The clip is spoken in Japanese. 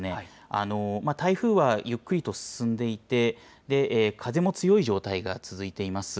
台風はゆっくりと進んでいて、風も強い状態が続いています。